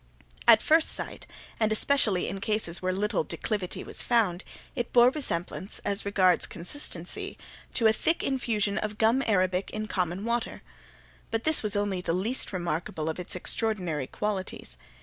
At first sight, and especially in cases where little declivity was found, it bore resemblance, as regards consistency, to a thick infusion of gum arabic in common water. But this was only the least remarkable of its extraordinary qualities.